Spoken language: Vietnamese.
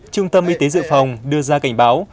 trung tâm y tế dự phòng đưa ra cảnh báo